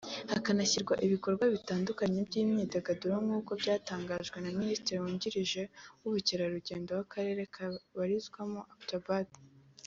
hakanashyirwa ibikorwa bitandukanye by’imyidagaduro nk’uko byatangajwe na Minisitiri wungirije w’ubukerarugendo w’Akarere kabarizwamo Abbottabad